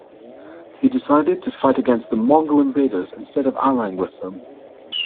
He decided to fight against the Mongol invaders instead of allying with them.